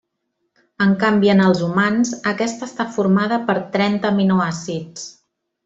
En canvi, en els humans, aquesta està formada per trenta aminoàcids.